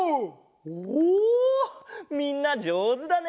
おおみんなじょうずだね！